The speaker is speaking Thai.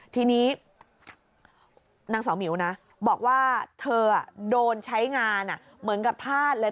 ทีนี้นางสาวหมิวนะบอกว่าเธอโดนใช้งานเหมือนกับธาตุเลย